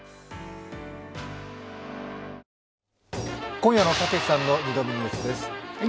今夜にたけしさんの「２度見ニュース」です。